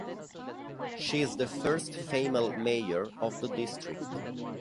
She is the first female mayor of the district.